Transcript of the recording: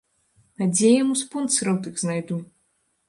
А дзе я яму спонсараў тых знайду?!